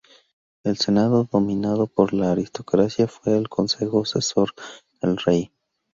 El Senado, dominado por la aristocracia, fue el consejo asesor del rey.